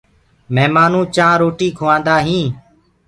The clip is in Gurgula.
مِهمآنو چآنه روٽيٚ کُوآندآ هينٚ